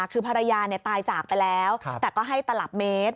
คือภรรยาตายจากไปแล้วแต่ก็ให้ตลับเมตร